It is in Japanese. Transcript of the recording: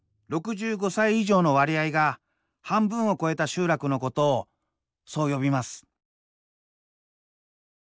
６５歳以上の割合が半分を超えた集落のことをそう呼びます。